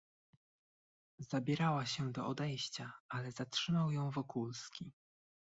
"Zabierała się do odejścia, ale zatrzymał ją Wokulski."